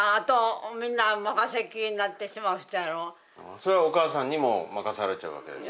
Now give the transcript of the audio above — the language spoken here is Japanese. それはお母さんにも任されちゃうわけですか？